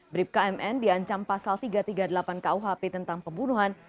bribka mn diancam pasal tiga ratus tiga puluh delapan kuhp tentang pembunuhan